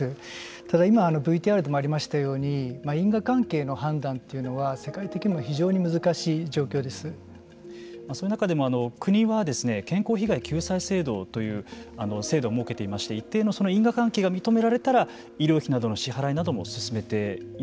ただ、今ＶＴＲでもありましたように因果関係の判断というのはそういう中でも国は健康被害救済制度という制度を設けていまして一定の因果関係が認められたら医療費などの支払いなどもはい。